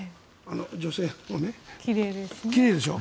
女性もね、奇麗でしょ。